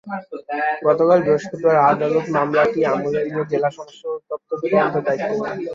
গতকাল বৃহস্পতিবার আদালত মামলাটি আমলে নিয়ে জেলা সমাজসেবা অধিদপ্তরকে তদন্তের দায়িত্ব দেন।